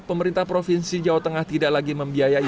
pemerintah provinsi jawa tengah tidak lagi membiayai